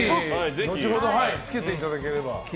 後ほどつけていただければ。